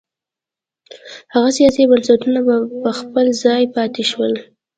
هغه سیاسي بنسټونه په خپل ځای پاتې شول.